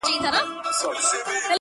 زورولي مي دي خلک په سل ګونو!.